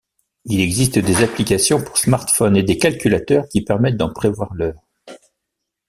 Il existe des applications pour smartphone et des calculateurs qui permettent d'en prévoir l'heure.